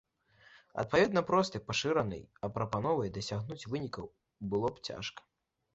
Адпаведна, проста пашыранай прапановай дасягнуць вынікаў было б цяжка.